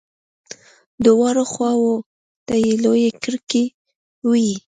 دواړو خواو ته يې لويې کړکۍ وې.